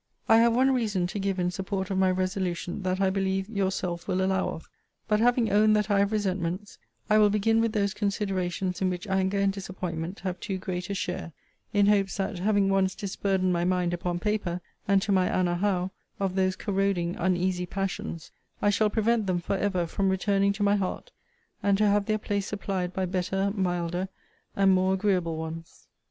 'I have one reason to give in support of my resolution, that, I believe, yourself will allow of: but having owned that I have resentments, I will begin with those considerations in which anger and disappointment have too great a share; in hopes that, having once disburdened my mind upon paper, and to my Anna Howe, of those corroding uneasy passions, I shall prevent them for ever from returning to my heart, and to have their place supplied by better, milder, and more agreeable ones.